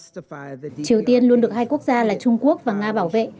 triều tiên luôn được hai quốc gia là trung quốc và nga bảo vệ